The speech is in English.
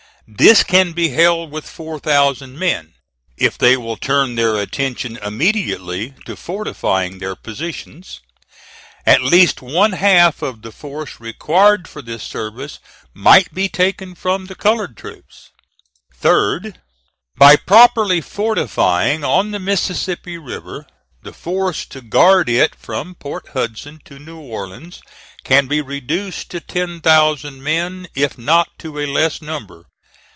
This can be held with four thousand men, if they will turn their attention immediately to fortifying their positions. At least one half of the force required for this service might be taken from the colored troops. "3d. By properly fortifying on the Mississippi River, the force to guard it from Port Hudson to New Orleans can be reduced to ten thousand men, if not to a less number.